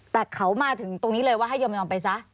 แต่เขามาถึงตรงนี้เลยว่าให้ยอมไปซะ